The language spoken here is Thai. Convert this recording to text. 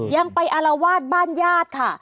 ยังไปอารวาสบ้านญาติค่ะ